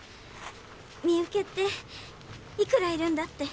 身請けっていくらいるんだって。